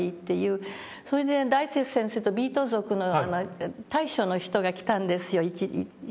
それで大拙先生とビート族の大将の人が来たんですよ